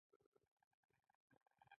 توپک له ماشومې مور جوړوي.